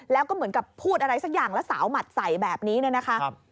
แล้วก็เหมือนกับพูดอะไรสักอย่างแล้วสาวหมัดใส่แบบนี้เนี่ยนะคะ